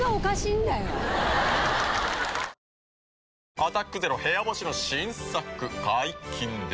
「アタックＺＥＲＯ部屋干し」の新作解禁です。